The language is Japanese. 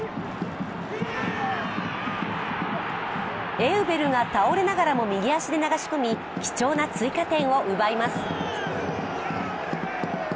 エウベルが倒れながらも右足で流し込み、貴重な追加点を奪います。